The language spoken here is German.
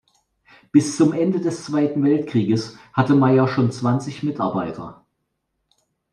Bis zum Ende des Zweiten Weltkrieges hatte Meyer schon zwanzig Mitarbeiter.